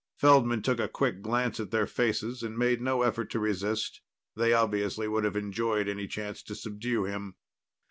Feldman took a quick glance at their faces and made no effort to resist; they obviously would have enjoyed any chance to subdue him.